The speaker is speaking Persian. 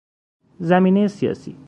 زمینهی سیاسی